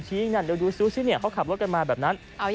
หนั่นนั่นนั่นเย็บเมื่อก็ขับรถกันมา